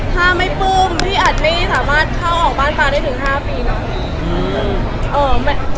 ถ้าไม่ปุ้มที่อาจไม่สามารถเข้าออกบ้านปางได้ถึงห้าปีนะ